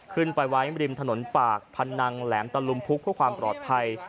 ขึ้นไปไว้ริมถนนปากพนังแหลมตะลุมพุกเพื่อความปลอดภัย